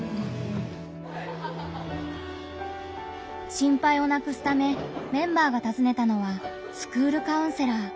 心配をなくすためメンバーがたずねたのはスクールカウンセラー。